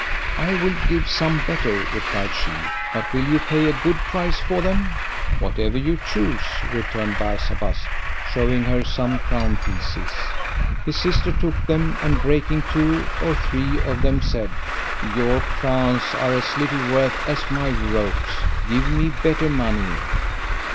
"I will give some better," replied she, "but will you pay a good price for them?" "Whatever you choose," returned Barsabas, showing her some crown pieces. His sister took them, and breaking two or three of them said, "Your crowns are as little worth as my ropes, give me better money."